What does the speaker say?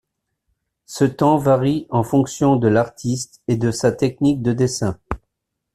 Ce temps varie en fonction de l'artiste et de sa technique de dessin.